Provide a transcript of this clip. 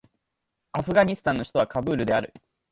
アフガニスタンの首都はカブールである